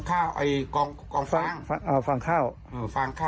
อย่าย้าย